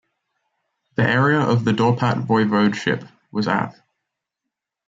The area of the Dorpat Voivodeship was app.